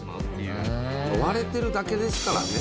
割れてるだけですからね。